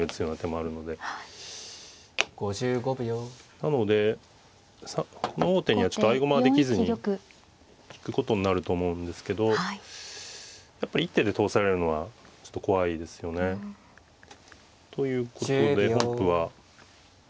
なのでこの王手には合駒はできずに引くことになると思うんですけどやっぱり一手で通されるのはちょっと怖いですよね。ということで本譜は。